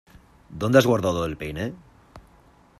¿Dónde has guardado el peine?